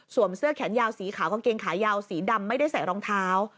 เสื้อแขนยาวสีขาวกางเกงขายาวสีดำไม่ได้ใส่รองเท้า